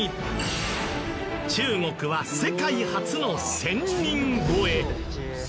中国は世界初の１０００人超え。